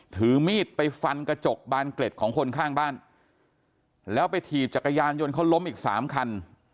ถือมีดไปฟันกระจกบานเกล็ดของคนข้างบ้านแล้วไปถีบจักรยานยนต์เขาล้มอีกสามคัน